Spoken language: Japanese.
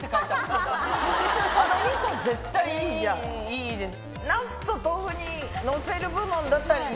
いいです。